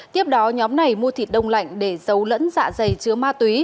tiếp đó nhóm này mua thịt đông lạnh để giấu lẫn dạ dày chứa ma túy